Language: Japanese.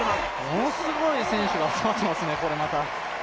ものすごい選手がそろってますね、これまた。